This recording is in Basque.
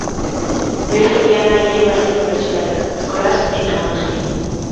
Beste bi anaia ere bazituen bertsolariak, Nikolas eta Anjel.